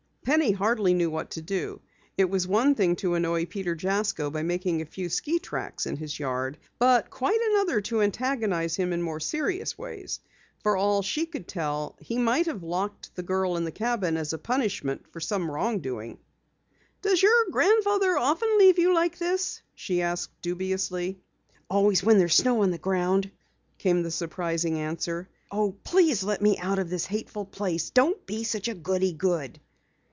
Penny hardly knew what to do. It was one thing to annoy Peter Jasko by making a few ski tracks in his yard, but quite another to antagonize him in more serious ways. For all she could tell, he might have locked the girl in the cabin as a punishment for some wrongdoing. "Does your grandfather often leave you like this?" she asked dubiously. "Always when there's snow on the ground," came the surprising answer. "Oh, please let me out of this hateful place! Don't be such a goody good!"